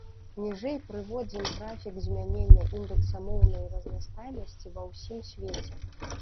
Ніжэй прыводзім графік змянення індэкса моўнай разнастайнасці ва ўсім свеце.